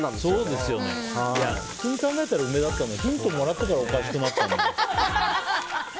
普通に考えたら梅だったのにヒントもらったからおかしくなったんだよ。